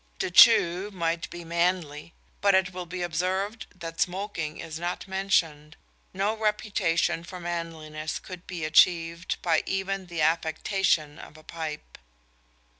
To chew might be "manly," but it will be observed that smoking is not mentioned. No reputation for manliness could be achieved by even the affectation of a pipe.